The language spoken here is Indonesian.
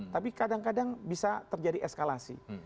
tapi kadang kadang bisa terjadi eskalasi